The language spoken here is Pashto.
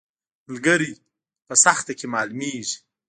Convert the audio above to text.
ملګری په سخته کې معلومیږي